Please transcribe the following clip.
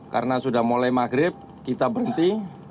karena sudah mulai maghrib kita berhenti